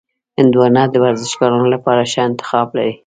هندوانه د ورزشکارانو لپاره ښه انتخاب دی.